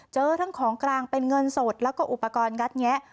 เจอทั้งของกลางเป็นเงินสดแล้วก็อุปกรณ์งัดแงะ